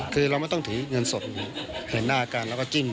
คือเราไม่ต้องถือเงินสดเห็นหน้ากันแล้วก็จิ้ม